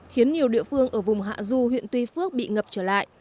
khiến nhiều địa phương ở vùng hạ du huyện tuy phước bị ngập trở lại